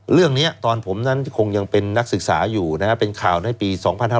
เรื่องนี้ตอนผมนั้นคงยังเป็นนักศึกษาอยู่นะครับเป็นข่าวในปี๒๕๕๙